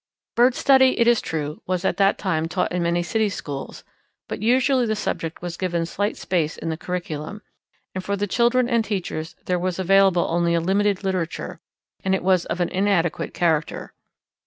Bird study, it is true, was at that time taught in many city schools, but usually the subject was given slight space in the curriculum, and for the children and teachers there was available only a limited literature, and it was of an inadequate character.